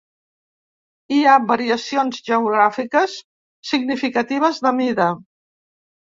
Hi ha variacions geogràfiques significatives de mida.